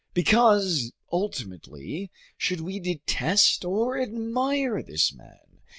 Because, ultimately, should we detest or admire this man?